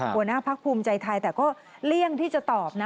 หัวหน้าพักภูมิใจไทยแต่ก็เลี่ยงที่จะตอบนะ